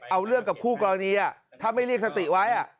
เอาเรื่องกับคู่กรณีถ้าไม่เรียกสติไว้